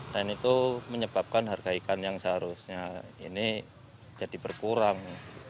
dan itu menyebabkan harga ikan yang seharusnya ini jadi berkurang